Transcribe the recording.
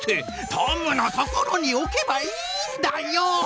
トムの所に置けばいいんだよ！